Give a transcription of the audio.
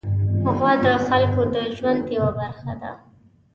غوا د خلکو د ژوند یوه برخه ده.